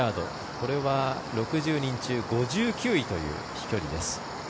これは６０人中５９人という飛距離です。